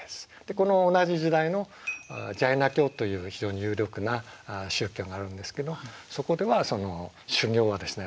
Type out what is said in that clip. この同じ時代のジャイナ教という非常に有力な宗教があるんですけどそこでは修行はですね